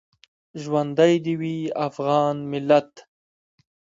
ژوندی دې وي افغان ملت؟